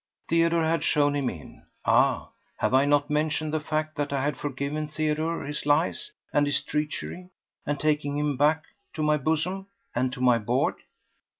Theodore had shown him in. Ah! have I not mentioned the fact that I had forgiven Theodore his lies and his treachery, and taken him back to my bosom and to my board?